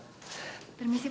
kami permisi pak